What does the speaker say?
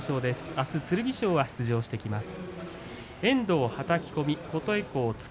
あす剣翔は出場してきます。